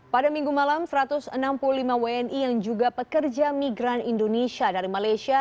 pada minggu malam satu ratus enam puluh lima wni yang juga pekerja migran indonesia dari malaysia